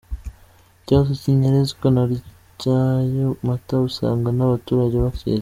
Ikibazo cy’inyerezwa ry’ayo mata usanga n’abaturage bakizi.